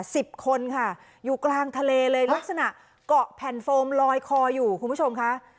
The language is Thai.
สิบคนค่ะอยู่กลางทะเลเลยลักษณะเกาะแผ่นโฟมลอยคออยู่คุณผู้ชมค่ะ